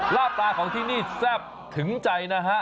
ลาบตาของที่นี่แซ่บถึงใจนะฮะ